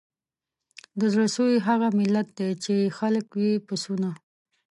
د زړه سوي هغه ملت دی چي یې خلک وي پسونه